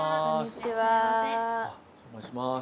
あっお邪魔します。